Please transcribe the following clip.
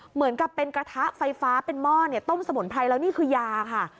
เหมือนกับเป็นกระทะไฟฟ้าเป็นหม้อต้มสมุนไพรแล้วนี่คือยาค่ะ